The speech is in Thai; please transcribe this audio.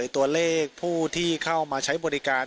ตัวเลขผู้ที่เข้ามาใช้บริการ